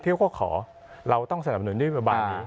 ที่เขาขอเราต้องสนับหนุนด้วยบางอย่าง